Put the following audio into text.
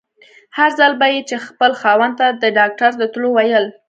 هر ځل به يې چې خپل خاوند ته د ډاکټر د تلو ويل.